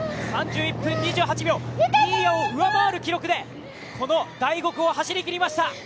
３１秒２８秒、新谷を上回る記録でこの第５区を走り切りました。